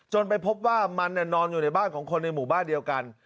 ไปพบว่ามันนอนอยู่ในบ้านของคนในหมู่บ้านเดียวกัน